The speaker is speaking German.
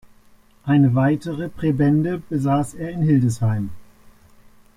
Eine weitere Präbende besaß er in Hildesheim.